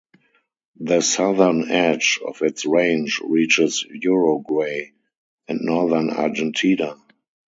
The southern edge of its range reaches Uruguay and northern Argentina.